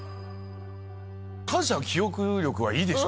記憶力はいいでしょ